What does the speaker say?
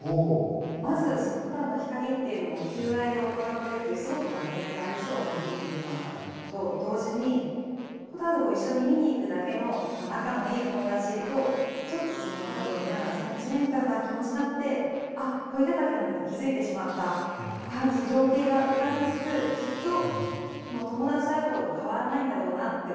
まずその蛍の光っていうのも求愛で行っているというすごく恋愛と相性がいい部分と同時に蛍を一緒に見に行くだけの仲のいい友達とちょっとその蛍を見ながらセンチメンタルな気持ちになって「あっ恋敵なんだ」って気付いてしまった感じの情景が浮かびつつきっと友達であることは変わらないんだろうなって思えるような。